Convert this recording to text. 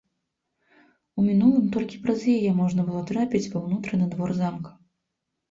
У мінулым толькі праз яе можна было трапіць ва ўнутраны двор замка.